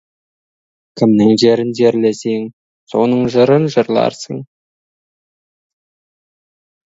Кімнің жерін жерлесең, соның жырын жырларсың.